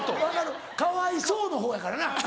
分かる「かわいそう」のほうやからな。